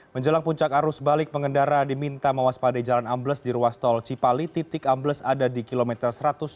menjelang puncak arus balik pengendara diminta mewaspadai jalan ambles di ruas tol cipali titik ambles ada di kilometer satu ratus tujuh puluh